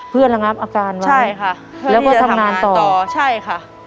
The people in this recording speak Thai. เพื่อระงับอาการไว้ใช่ค่ะแล้วก็ทำงานต่อต่อใช่ค่ะ